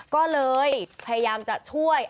ก็เลยพยายามจะช่วย